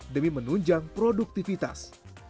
demi menunjang produktivitas